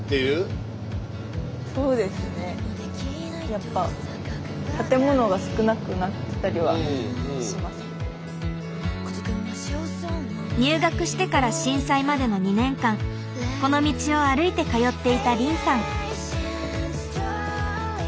やっぱ入学してから震災までの２年間この道を歩いて通っていた凜さん。